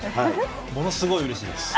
ものすごいうれしいです。